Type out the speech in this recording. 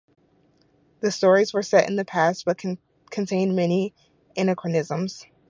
The stories were set in the past but contained many anachronisms.